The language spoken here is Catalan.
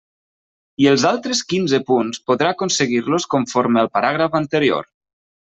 I els altres quinze punts podrà aconseguir-los conforme al paràgraf anterior.